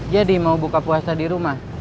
jadi mau buka puasa di rumah